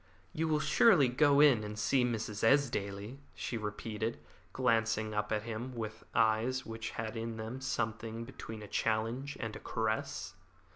"You will surely go in and see Mrs. Esdaile," she repeated, glancing up at him with eyes which had in them something between a challenge and a caress.